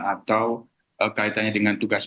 atau kaitannya dengan tugas